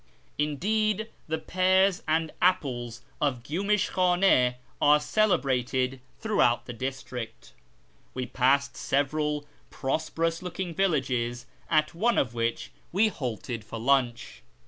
Indeed the pears and apples of Gyumish Khane are celebrated throughout the district. We passed several prosperous looking villages, at one of which we halted for lunch.